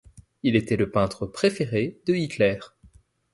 Il était le peintre préféré de Hitler.